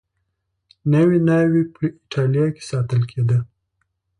نوې ناوې په اېټالیا کې ساتل کېده